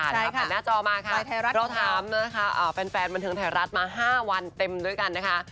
ได้ผ่านหน้าจอมาค่ะเราถามนะคะแฟนบันเทิงไทยรัฐมา๕วันเต็มด้วยกันนะคะ